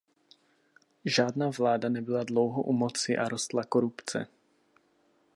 Žádná vláda nebyla dlouho u moci a rostla korupce.